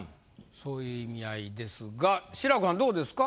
そういう意味合いですが志らくはんどうですか？